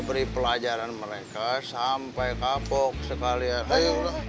silahkan jadi kaverin